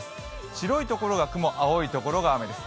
白いところが雲、青いところが雨です。